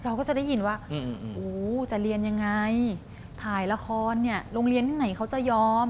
เราก็จะได้ยินว่าจะเรียนยังไงถ่ายละครเนี่ยโรงเรียนที่ไหนเขาจะยอม